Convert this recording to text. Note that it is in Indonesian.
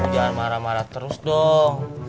jangan marah marah terus dong